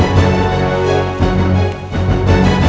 inilah tempatku yg mu fitrah ya